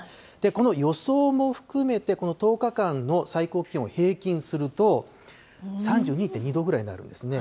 この予想も含めて、この１０日間の最高気温、平均すると３２．２度ぐらいになるんですね。